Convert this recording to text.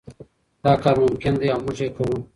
دا کار ممکن دی او موږ یې کوو.